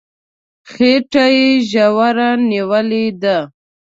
څټه يې ژوره نيولې ده